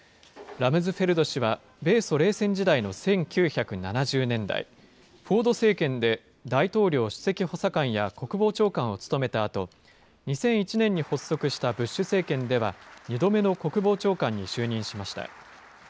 ラムズフェルド氏は、米ソ冷戦時代の１９７０年代、フォード政権で大統領首席補佐官や国防長官を務めたあと、２０１０、２００１年に発足したブッシュ政権では、２度目の国防長官に就任しました。